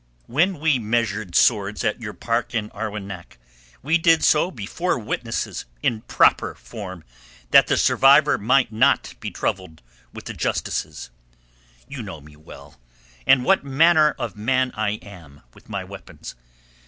When we measured swords in your park at Arwenack we did so before witnesses in proper form, that the survivor might not be troubled with the Justices. You know me well, and what manner of man I am with my weapons.